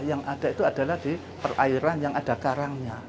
yang ada itu adalah di perairan yang ada karangnya